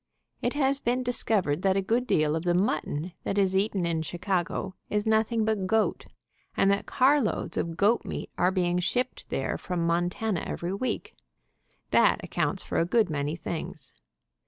It has been discovered that a good deal of the mut ton that is eaten in Chicago is nothing but goat, and that carloads of goat meat are being shipped there 8o THE GOAT MEAT HABIT from Montana every week. That accounts for a good many things.